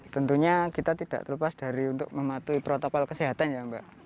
tentunya kita tidak terlepas dari untuk mematuhi protokol kesehatan ya mbak